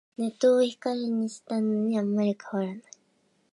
ネットを光にしたのにあんまり変わらない